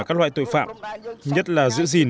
các loại tội phạm nhất là giữ gìn